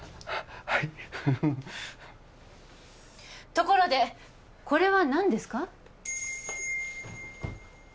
はいところでこれは何ですか？